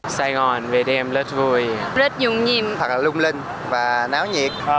sài gòn về đêm rất vui rất nhung nhìm thật là lung linh và náo nhiệt